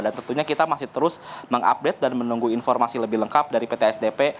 dan tentunya kita masih terus mengupdate dan menunggu informasi lebih lengkap dari ptsdp